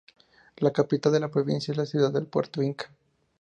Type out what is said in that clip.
La capital de la provincia es la ciudad de Puerto Inca.